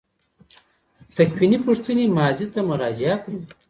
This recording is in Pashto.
تکویني پوښتنې ماضي ته مراجعه کوي.